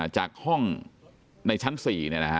จากห้องในชั้น๔